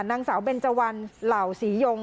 นางสาวเบรนจวัลเหล่าสี่โยง